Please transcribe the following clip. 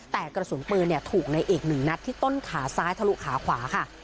แต่กระสุนปืนถูกในเอก๑นัดที่ต้นขาซ้ายทะลุขาขวาค่ะ